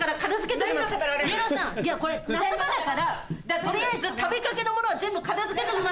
水卜さんこれ夏場だから取りあえず食べかけのものは全部片付けておきますよ。